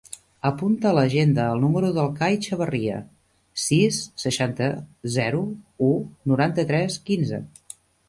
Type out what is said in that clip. Apunta a l'agenda el número del Cai Chavarria: sis, seixanta, zero, u, noranta-tres, quinze.